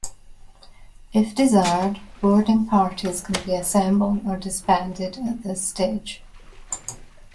If desired, boarding parties can be assembled or disbanded at this stage.